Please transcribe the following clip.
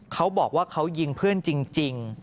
เขาบอกว่าเขายิงเพื่อนจริง